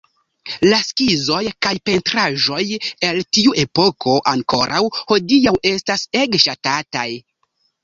La skizoj kaj pentraĵoj el tiu epoko ankoraŭ hodiaŭ estas ege ŝatataj".